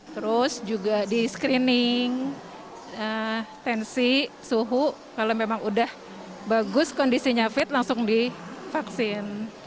terus juga di screening tensi suhu kalau memang udah bagus kondisinya fit langsung divaksin